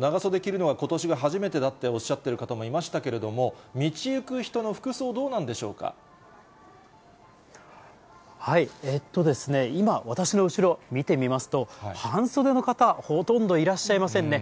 長袖着るのはことしが初めてだっておっしゃっている方もいましたけれども、道行く人の服装、今、私の後ろ、見てみますと、半袖の方、ほとんどいらっしゃいませんね。